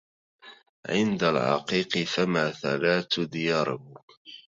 عند العقيق فماثلات دياره